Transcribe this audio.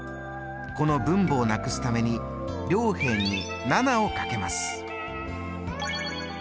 この分母をなくすために両辺に７をかけます。